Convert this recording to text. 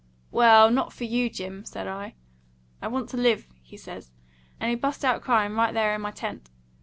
'Well, not for you, Jim,' said I. 'I want to live,' he says; and he bust out crying right there in my tent.